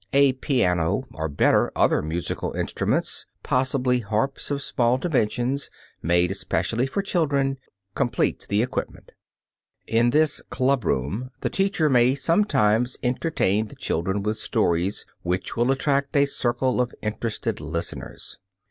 A piano, or, better, other musical instruments, possibly harps of small dimensions, made especially for children, completes the equipment. In this "club room" the teacher may sometimes entertain the children with stories, which will attract a circle of interested listeners.